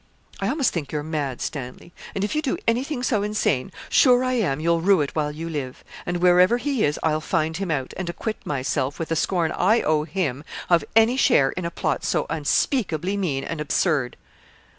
'I almost think you're mad, Stanley; and if you do anything so insane, sure I am you'll rue it while you live; and wherever he is I'll find him out, and acquit myself, with the scorn I owe him, of any share in a plot so unspeakably mean and absurd.'